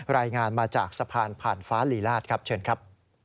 รายงานมาจากสะพานผ่านฟ้าลีลาศครับเชิญครับ